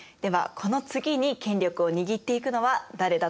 この次に権力を握っていくのは誰だと思いますか？